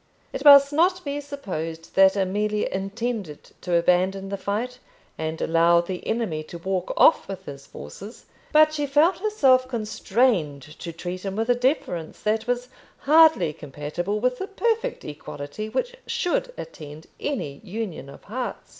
It must not be supposed that Amelia intended to abandon the fight, and allow the enemy to walk off with his forces; but she felt herself constrained to treat him with a deference that was hardly compatible with the perfect equality which should attend any union of hearts.